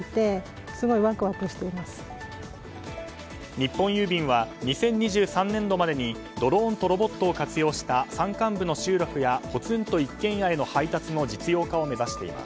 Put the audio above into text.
日本郵便は２０２３年度までにドローンとロボットを活用した山間部の集落やポツンと一軒家への配達の実用化を目指しています。